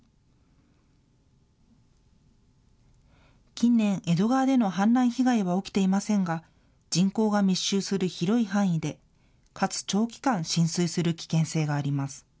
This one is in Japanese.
近年、江戸川での氾濫被害は起きていませんが、人口が密集する広い範囲で、かつ長期間浸水する危険性があります。